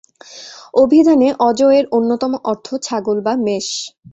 অভিধানে অজ-এর অন্যতম অর্থ ছাগল বা মেষ।